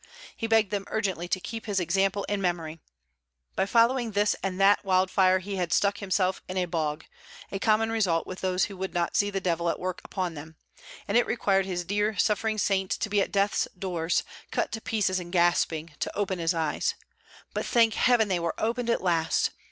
He begged them urgently to keep his example in memory. By following this and that wildfire he had stuck himself in a bog a common result with those who would not see the devil at work upon them; and it required his dear suffering saint to be at death's doors, cut to pieces and gasping, to open his eyes. But, thank heaven, they were opened at last!